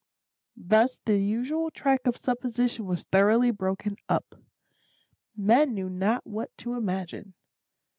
Thus the usual track of supposition was thoroughly broken up. Men knew not what to imagine.